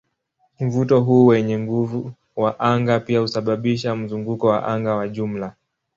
Mvuto huu wenye nguvu wa anga pia husababisha mzunguko wa anga wa jumla.